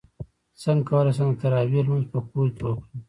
څنګه کولی شم د تراویحو لمونځ په کور کې وکړم